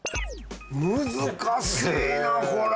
難しいなこれ！